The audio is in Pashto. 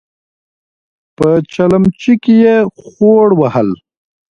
په چلمچي کې يې خوړ وهل.